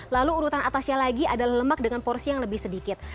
lalu urutan atasnya lagi adalah lemak dengan porsi yang lebih sedikit